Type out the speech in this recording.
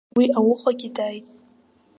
Уи аухагьы дааит.